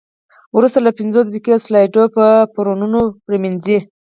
وروسته له پنځو دقیقو سلایډ په بفرونو پرېمنځئ.